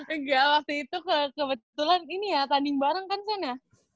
enggak waktu itu kebetulan ini ya tanding bareng kan sana